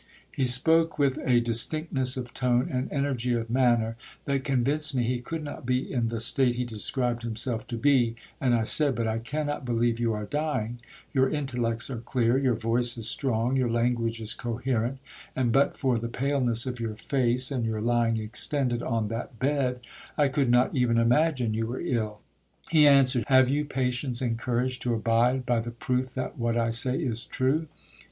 'He spoke with a distinctness of tone, and energy of manner, that convinced me he could not be in the state he described himself to be, and I said, 'But I cannot believe you are dying—your intellects are clear, your voice is strong, your language is coherent, and but for the paleness of your face, and your lying extended on that bed, I could not even imagine you were ill.' He answered, 'Have you patience and courage to abide by the proof that what I say is true?'